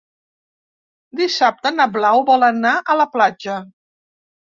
Dissabte na Blau vol anar a la platja.